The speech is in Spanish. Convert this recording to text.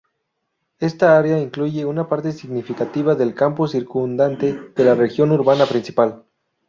Esta área incluye una parte significativa del campo circundante de la región urbana principal.